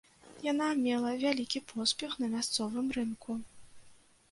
Яна мела вялікі поспех на мясцовым рынку.